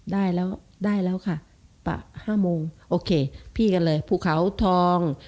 ได้แล้วได้แล้วค่ะ๕โมงโอเคพี่กันเลยภูเขาทอง